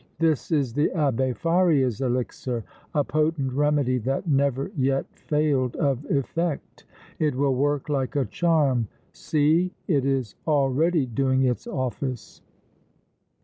"This is the Abbé Faria's elixir, a potent remedy that never yet failed of effect! It will work like a charm! See! It is already doing its office!"